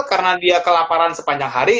karena dia kelaparan sepanjang hari